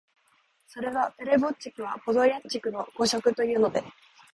それは「ペレヴォッチクはポドリャッチクの誤植」というので、